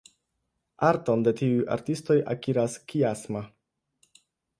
Arton de tiuj artistoj akiras Kiasma.